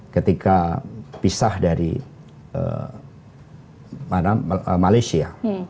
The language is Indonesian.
ketika pisah dari malaysia